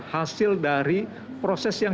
hasil dari proses yang